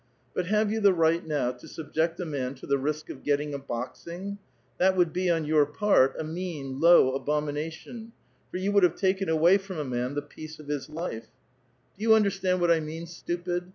But have you the right ^^'^ to subject a man to the risk of getting a boxing? That ^^^Id be on your part, a mean, low abomination, for you ^^^tld have taken away from a man the peace of his life. 250 A VITAL QUESTION. Do yoQ understand what I mean, stupid?